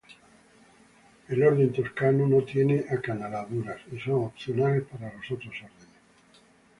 El orden toscano no tiene acanaladuras y son opcionales para los otros órdenes.